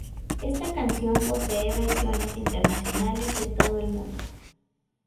Esta canción posee versiones internacionales de todo el mundo.